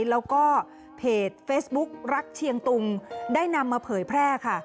แล้วก็เพจเฟซบุ๊ครักเชียงตุงได้นำมาเผยแพร่ค่ะ